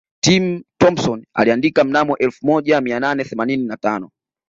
Jim Thompson aliandika mnamo elfu moja mia nane themanini na tano